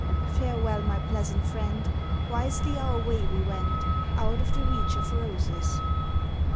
Farewell, my pleasant friend, Wisely our way we wend Out of the reach of roses."